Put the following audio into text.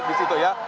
di situ ya